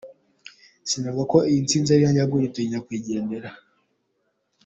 Sinavuga ko iyi ntsinzi ari iya njye ahubwo nyituye nyakwigendera.